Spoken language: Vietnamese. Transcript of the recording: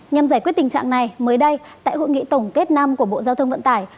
nhằm giải quyết tình trạng này mới đây tại hội nghị tổng kết năm của bộ giao thông vận tải